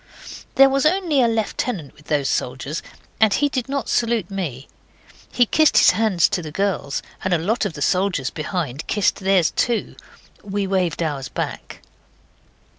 There was only a lieutenant with those soldiers, and he did not salute me. He kissed his hand to the girls; and a lot of the soldiers behind kissed theirs too. We waved ours back.